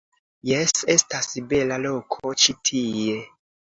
Jes, estas bela loko ĉi tie.